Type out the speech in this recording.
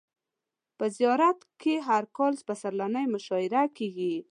په زیارت یې هر کال پسرلنۍ مشاعر کیږي.